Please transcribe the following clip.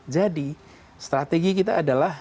jadi strategi kita adalah